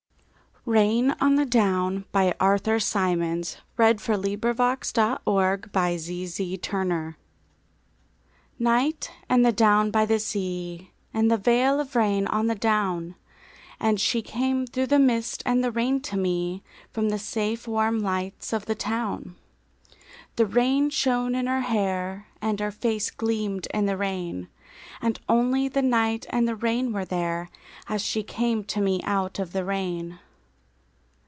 RAIN ON THE DOWN. NIGHT, and the down by the sea, And the veil of rain on the down; And she came through the mist and the rain to me From the safe warm lights of the town. The rain shone in her hair, And her face gleamed in the rain; And only the night and the rain were there As she came to me out of the rain.